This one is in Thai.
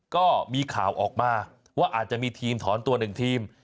ก็มีข่าวออกมาว่าอาจจะมีทีมถอนตัวหนึ่งทีม